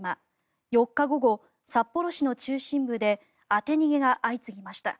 ４日午後、札幌市の中心部で当て逃げが相次ぎました。